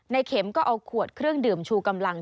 เข็มก็เอาขวดเครื่องดื่มชูกำลัง